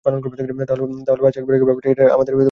তাহলে বাসে একবার গিয়ে বসে ভাবি যে, এটা আজকে আমাদের সাথে হবে না।